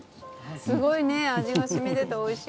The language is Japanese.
すごいね味が染みてておいしい。